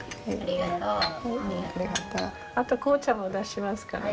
あと紅茶も出しますからね。